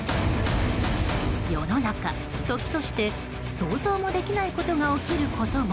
世の中、時として想像もできないことが起きることも。